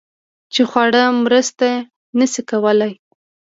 چې خواړه مرسته نشي کولی